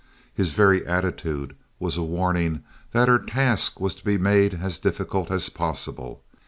His very attitude was a warning that her task was to be made as difficult as possible.